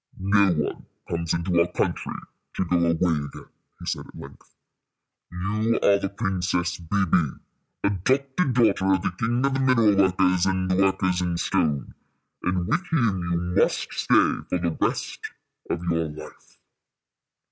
"No one comes into our country to go away again," he said at length. "You are the Princess Bébè, adopted daughter of the king of the mineral workers and the workers in stone, and with him you must stay for the rest of your life."